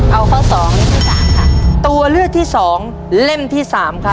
เอาข้อสองเล่มที่สามค่ะตัวเลือกที่สองเล่มที่สามค่ะ